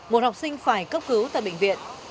một học sinh phải cấp cứu tại bệnh viện